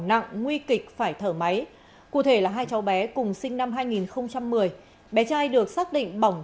nặng nguy kịch phải thở máy cụ thể là hai cháu bé cùng sinh năm hai nghìn một mươi bé trai được xác định bỏng